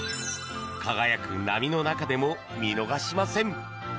輝く波の中でも見逃しません。